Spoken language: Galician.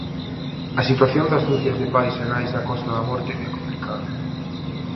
A situación das ducias de pais e nais da Costa da Morte é complicada.